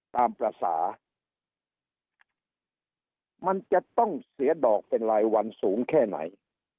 ตามภาษามันจะต้องเสียดอกเป็นรายวันสูงแค่ไหน